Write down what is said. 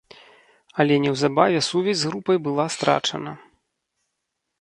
Але неўзабаве сувязь з групай была страчана.